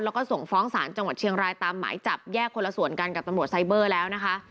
แล้วก็ส่งฟ้องศาลจังหวัดเชียงรายตามหมายจับแยกคนละส่วนกันกับตำรวจไซเบอร์แล้วนะคะ